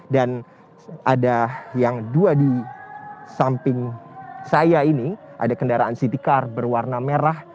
dan ada yang dua di samping saya ini ada kendaraan city car berwarna merah